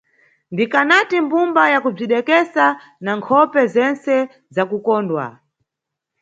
Ndikanati mbumba yakubzidekesa na nkhope zentse zakukondwa.